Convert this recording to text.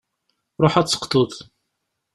Ruḥ ad d-teqḍuḍ.